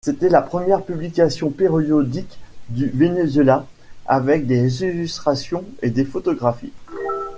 C´était la première publication périodique du Venezuela avec des illustrations et des photographies.